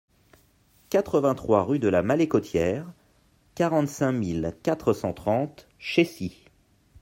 quatre-vingt-trois rue de la Malécotière, quarante-cinq mille quatre cent trente Chécy